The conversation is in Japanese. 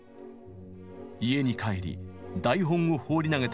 家に帰り台本を放り投げたヴェルディ。